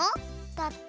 だって。